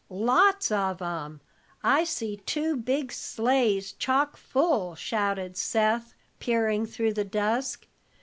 "Lots of 'em! I see two big sleighs chock full," shouted Seth, peering through the dusk.